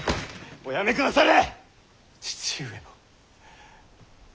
おやめくだされ！